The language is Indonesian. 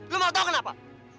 lu mau tau kenapa